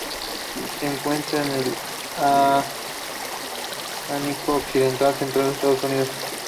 Se encuentra en el Atlántico occidental central: Estados Unidos.